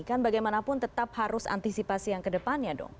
kan bagaimanapun tetap harus antisipasi yang kedepannya dong